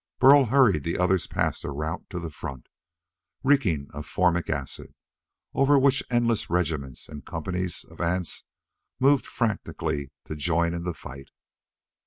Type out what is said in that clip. Burl hurried the others past a route to the front, reeking of formic acid, over which endless regiments and companies of ants moved frantically to join in the fight.